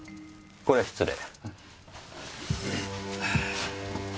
これは失礼。